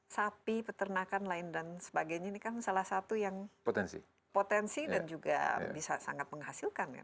sapi peternakan lain dan sebagainya ini kan salah satu yang potensi dan juga bisa sangat menghasilkan kan